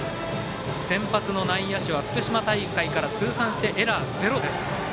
先発の内野手は福島大会から通算してエラーゼロ。